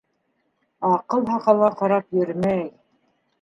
Аҡыл һаҡалға ҡарап йөрөмәй.